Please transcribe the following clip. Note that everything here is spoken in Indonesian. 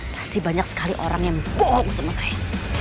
masih banyak sekali orang yang bohong sama saya